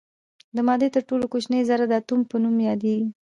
د مادې تر ټولو کوچنۍ ذره د اتوم په نوم یادیږي.